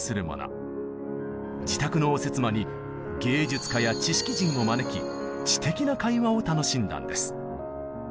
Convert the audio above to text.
自宅の応接間に芸術家や知識人を招き知的な会話を楽しんだんです。